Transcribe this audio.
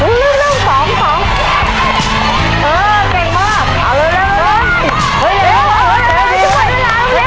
อีเล่าเล่าสองสองเออเก่งมากเอาเร็วเร็วเร็ว